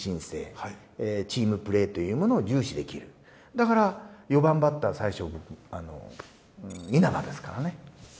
だから４番バッター最初稲葉ですからね。